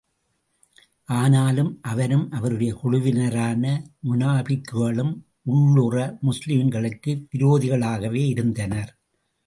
ஆனாலும் அவரும், அவருடைய குழுவினரான முனாபிக்குகளும் உள்ளுற முஸ்லிம்களுக்கு விரோதிகளாகவே இருந்தனர்.